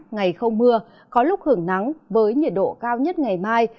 ngày không mưa có lúc hưởng nắng với nhiệt độ cao nhất ngày mai